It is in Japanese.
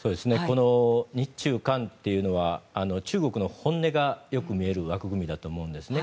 日中韓というのは中国の本音がよく見える枠組みだと思うんですね。